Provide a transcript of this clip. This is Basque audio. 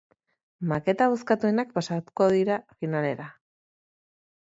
Maketa bozkatuenak pasako dira finalera.